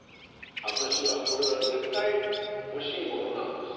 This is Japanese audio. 私はこれは絶対欲しいものなんですよ。